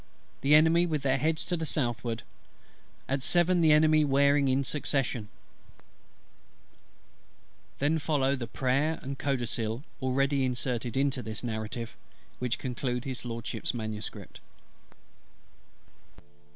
The Enemy with their heads to the southward. At seven the Enemy wearing in succession. Then follow the Prayer and Codicil already inserted in pages 14 and 15 of the Narrative, which conclude HIS LORSHIP'S manuscript.